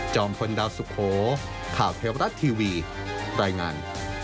พลดาวสุโขข่าวเทวรัฐทีวีรายงาน